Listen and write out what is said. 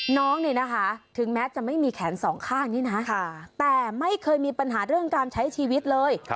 น้องนี่นะคะถึงแม้จะไม่มีแขนสองข้างนี่นะแต่ไม่เคยมีปัญหาเรื่องการใช้ชีวิตเลย